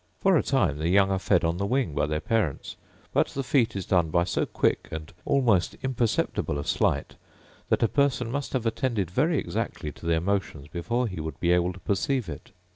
For a time the young are fed on the wing by their parents; but the feat is done by so quick and almost imperceptible a sleight, that a person must have attended very exactly to their motions before he would be able to perceive it.